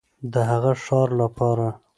د هغه ښار لپاره